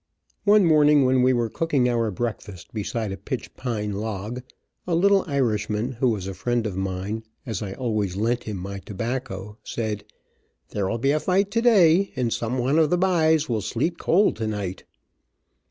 One morning when we were cooking our breakfast beside a pitch pine log, a little Irishman, who was a friend of mine, as I always lent him my tobacco, said: "There will be a fight today, and some wan of the byes will sleep cold tonight."